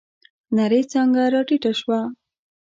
نرۍ څانگه راټيټه شوه.